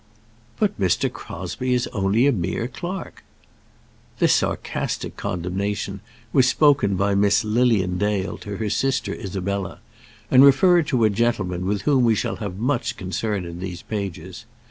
"But Mr. Crosbie is only a mere clerk." This sarcastic condemnation was spoken by Miss Lilian Dale to her sister Isabella, and referred to a gentleman with whom we shall have much concern in these pages.